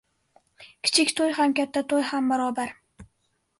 • Kichik to‘y ham, katta to‘y ham ― barobar.